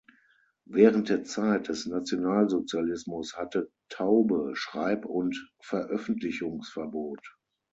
Während der Zeit des Nationalsozialismus hatte Taube Schreib- und Veröffentlichungsverbot.